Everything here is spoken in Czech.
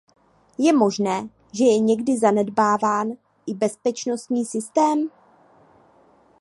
Je možné, že je někdy zanedbáván i bezpečnostní systém?